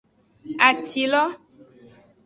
Atilo.